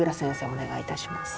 お願いいたします。